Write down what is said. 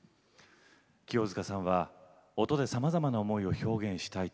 清塚さんは「音でさまざまな思いを表現したい。